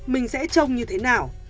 mình sẽ trông như thế nào